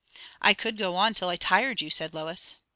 "I could go on till I tired you," said Lois.